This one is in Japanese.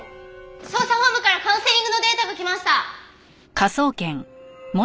捜査本部からカウンセリングのデータが来ました。